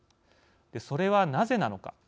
それは、なぜなのか。